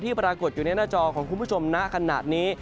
ปรากฏอยู่ในหน้าจอของคุณผู้ชมนะขนาดนี้